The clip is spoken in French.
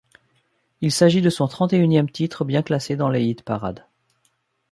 Il s'agit de son trente-et-unième titre bien classé dans les hit-parades.